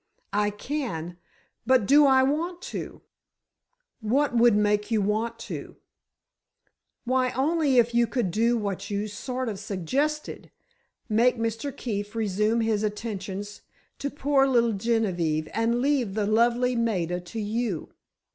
"I can—but do I want to?" "What would make you want to?" "Why—only if you could do what you sort of suggested—make Mr. Keefe resume his attentions to poor little Genevieve and leave the lovely Maida to you."